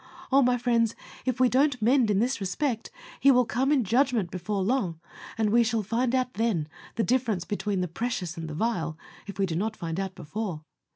Oh! my friends, if we don't mend in this respect, He will come in judgment before long, and we shall find out then the difference between the precious and the vile, if we do not find out before.